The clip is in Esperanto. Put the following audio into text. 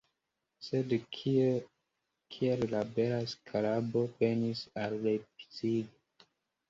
Sed kiel la bela skarabo venis al Leipzig?